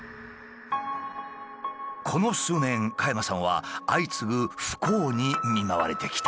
この数年加山さんは相次ぐ不幸に見舞われてきた。